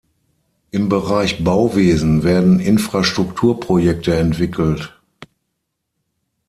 Im Bereich Bauwesen werden Infrastrukturprojekte entwickelt.